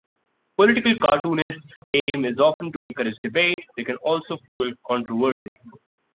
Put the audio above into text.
A political cartoonist's aim is often to encourage debate; they can also fuel controversy.